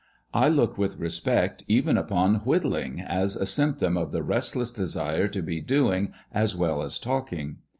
I look with respect even upon "whittling," as a symptom of the restless desire to be doing as well as talking.